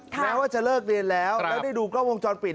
แม้ว่าจะเลิกเรียนแล้วแล้วได้ดูกล้องวงจรปิด